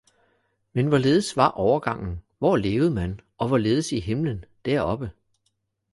Men hvorledes var overgangen hvor levede man og hvorledes i himlen deroppe